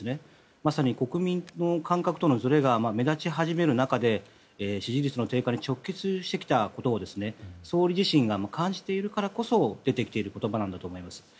まさに国民の感覚とのずれが目立ち始める中で支持率の低下に直結してきたことを総理自身が感じているからこそ出てきている言葉なんだろうと思います。